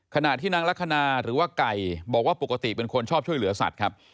ขณะที่นางลักษณะหรือว่าไก่บอกว่าปกติเป็นคนชอบช่วยเหลือสัตว์ครับ